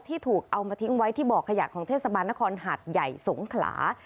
ถูกเอามาทิ้งไว้ที่บ่อขยะของเทศบาลนครหัดใหญ่สงขลา